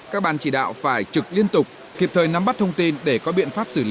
các ban chỉ đạo phải trực liên tục kịp thời nắm bắt thông tin để có biện pháp xử lý